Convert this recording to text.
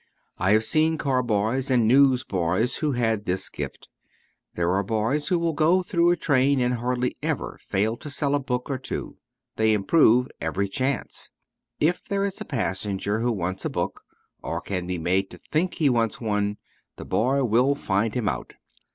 I have seen car boys and news boys who had this gift. There are boys who will go through a train and hardly ever fail to sell a book or two. They improve every chance. If there is a passenger who wants a book, or can be made to think he wants one, the boy will find him out.